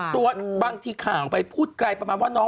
บางทีข่าวไปพูดไกลประมาณว่าน้อง